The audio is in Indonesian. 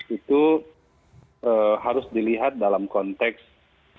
itu harus dilihat dalam kondisi yang tersebut